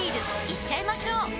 いっちゃいましょう！